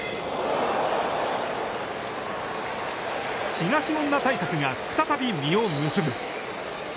東恩納対策が再び実を結ぶ。